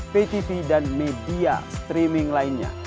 ptv dan media streaming lainnya